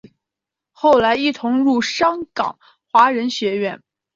后来一同入读香港华仁书院。